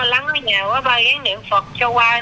ba ghen niệm phật cho ba